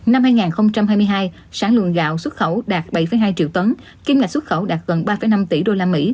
năm hai nghìn hai mươi hai sản lượng gạo xuất khẩu đạt bảy hai triệu tấn kiêm ngạch xuất khẩu đạt gần ba năm tỷ usd